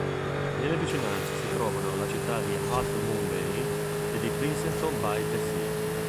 Nelle vicinanze si trovano la città di Half Moon Bay e di Princeton-by-the-Sea.